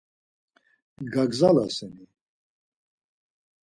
Gagzalasen-i?